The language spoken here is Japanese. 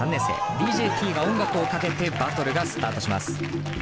ＤＪＴＥＥが音楽をかけてバトルがスタートします。